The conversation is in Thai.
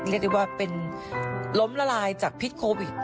เรียกได้ว่าเป็นล้มละลายจากพิษโควิด